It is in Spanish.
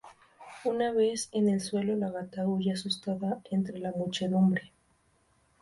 Una vez en el suelo la gata huye asustada entre la muchedumbre.